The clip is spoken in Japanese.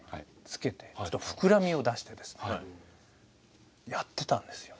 つけてちょっと膨らみを出してですねやってたんですよ。